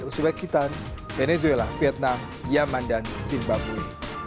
usul kitan venezuela vietnam yemen dan simbawang